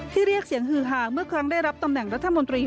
เรียกเสียงฮือหาเมื่อครั้งได้รับตำแหน่งรัฐมนตรี